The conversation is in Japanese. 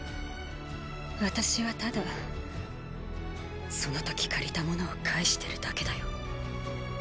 私はただその時借りたものを返してるだけだよ。